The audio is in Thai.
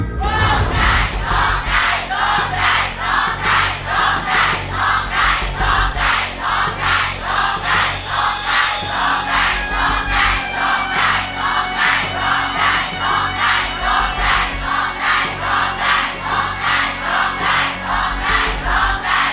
โทษใจโทษใจโทษใจโทษใจโทษใจ